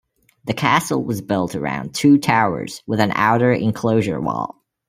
The castle was built around two towers with an outer enclosure wall.